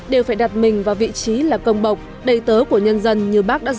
đều phải đặt mình vào vị trí là công bộc đầy tớ của nhân dân như bác đã ra